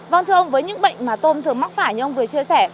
vâng thưa ông với những bệnh mà tôm thường mắc phải như ông vừa chia sẻ